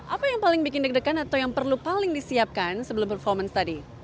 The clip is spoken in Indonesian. apa yang paling bikin deg degan atau yang perlu paling disiapkan sebelum performance tadi